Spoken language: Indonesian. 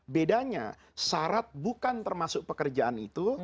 bedanya syarat bukan termasuk pekerjaan itu